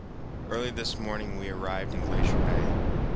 Early this morning we arrived in Glacier Bay.